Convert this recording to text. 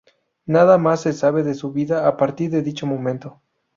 Nada más se sabe de su vida a partir de dicho momento.